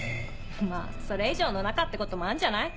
まぁそれ以上の仲ってこともあんじゃない？